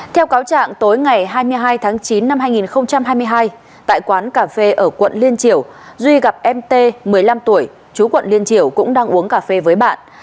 theo cáo trạng tối ngày hai mươi hai tháng chín năm hai nghìn hai mươi hai tại quán cà phê ở quận liên triểu duy gặp em t một mươi năm tuổi chú quận liên triều cũng đang uống cà phê với bạn